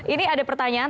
ini ada pertanyaan